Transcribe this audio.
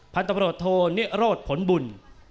พันธพโรทโทเนี้ยรดผลบุญ